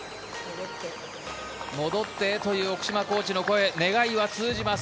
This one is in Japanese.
戻ってという奥嶋コーチの声願いは通じます。